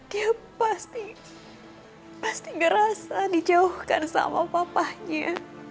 dia pasti pasti ngerasa dijauhkan sama papanya